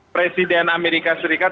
presiden amerika serikat